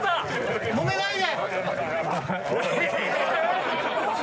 もめないで！